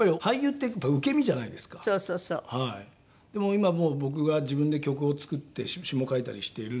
今もう僕が自分で曲を作って詞も書いたりしているんで。